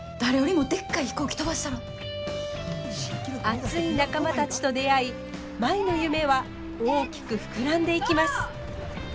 熱い仲間たちと出会い舞の夢は大きく膨らんでいきます。